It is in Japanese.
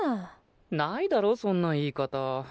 ないだろそんな言い方。